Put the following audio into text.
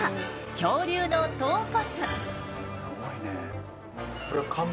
恐竜の頭骨。